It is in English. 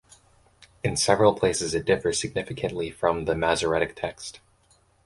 In several places it differs significantly from the Masoretic Text.